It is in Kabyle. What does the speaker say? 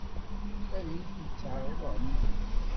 Ad iyi-tt-tɛeṛḍem?